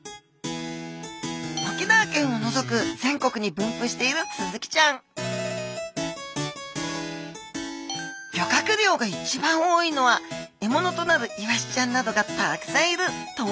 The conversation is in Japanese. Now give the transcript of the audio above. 沖縄県をのぞく全国に分布しているスズキちゃん漁獲量が一番多いのは獲物となるイワシちゃんなどがたくさんいる東京湾。